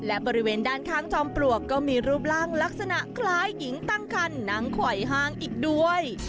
และบริเวณด้านข้างจอมปลวกก็มีรูปร่างลักษณะคล้ายหญิงตั้งคันนั่งไขว่ห้างอีกด้วย